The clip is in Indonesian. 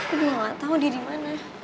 gue juga gak tau dia dimana